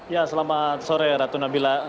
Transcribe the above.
ya selamat sore ratu nabila